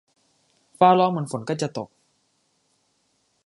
ฟ้าร้องเหมือนฝนใกล้จะตก